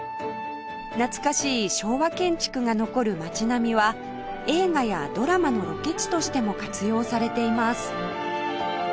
懐かしい昭和建築が残る街並みは映画やドラマのロケ地としても活用されています